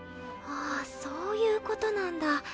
あぁそういうことなんだ。